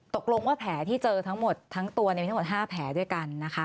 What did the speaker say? ตกลงแผลที่เจอทั้งหมดทั้งตัว๕แผลด้วยกันนะคะ